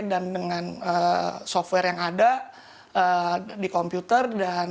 dan dengan software yang ada di komputer